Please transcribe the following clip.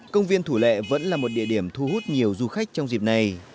công viên thủ lệ vẫn là một địa điểm thu hút nhiều du khách trong dịp này